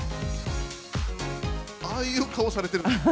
ああいう顔されてるんですか。